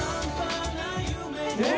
・えっ！？